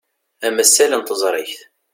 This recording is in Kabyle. Amasal n teẓrigt.